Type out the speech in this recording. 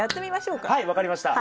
はい分かりました。